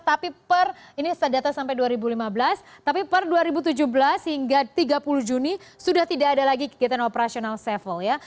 tapi per ini terdata sampai dua ribu lima belas tapi per dua ribu tujuh belas hingga tiga puluh juni sudah tidak ada lagi kegiatan operasional sevel ya